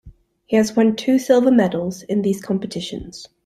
He has won two silver medals in these competitions.